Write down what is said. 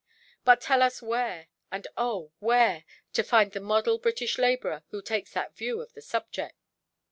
But tell us where, and oh! where, to find the model British labourer who takes that view of the subject.